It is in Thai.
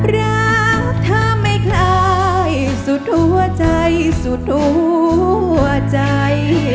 รักเธอไม่คล้ายสุดหัวใจสุดหัวใจ